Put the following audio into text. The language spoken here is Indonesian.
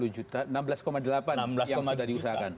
enam belas delapan juta yang sudah diusahakan